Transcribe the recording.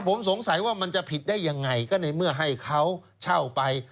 ผมสงสัยว่ามันจะผิดได้ยังไงก็ในเมื่อให้เขาเช่าไป